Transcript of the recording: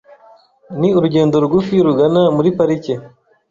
Ni urugendo rugufi rugana muri parike .